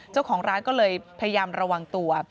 เจ้าของร้านก็เลยพยายามระวังตัว